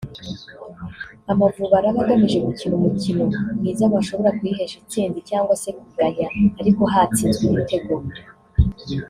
Amavubi araba agamije gukina umukino mwiza washobora kuyihesha itsinzi cyangwa se kuganya ariko hatsinzwe ibitego